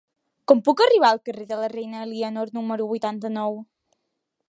Com puc arribar al carrer de la Reina Elionor número vuitanta-nou?